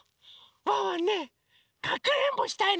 ワンワンねかくれんぼしたいの。